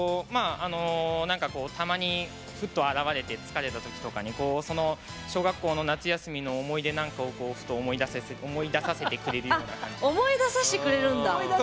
たまにふっと現れて疲れた時とかに小学校の夏休みの思い出なんかをふと思い出させてくれるような。